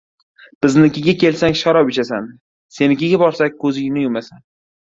• Biznikiga kelsang sharob ichasan, senikiga borsak ko‘zingni yumasan.